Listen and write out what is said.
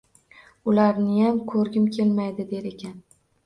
Ularniyam ko‘rgim kelmaydi, der ekan.